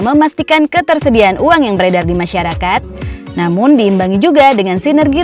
memastikan ketersediaan uang yang beredar di masyarakat namun diimbangi juga dengan sinergi